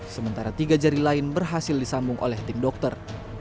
sementara tiga jari lain berhasil disambung oleh tim dokter